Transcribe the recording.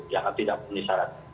yang tidak memenuhi syarat